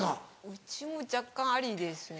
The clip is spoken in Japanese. うちも若干ありですね。